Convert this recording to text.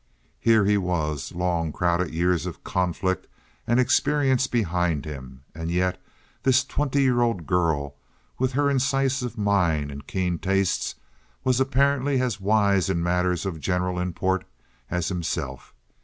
Here he was, long crowded years of conflict and experience behind him, and yet this twenty year old girl, with her incisive mind and keen tastes, was apparently as wise in matters of general import as himself.